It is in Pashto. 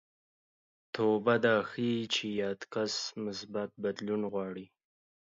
توبه دا ښيي چې یاد کس مثبت بدلون غواړي